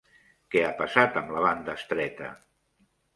Què ha passat amb la banda estreta?